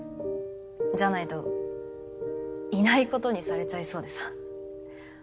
じゃないといないことにされちゃいそうでさ。